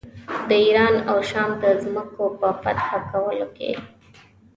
د ایران او شام د ځمکو په فتح کولو کې.